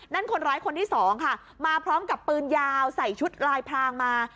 คนร้ายคนที่สองค่ะมาพร้อมกับปืนยาวใส่ชุดลายพรางมา